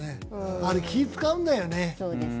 あれ、気を使うんだよね。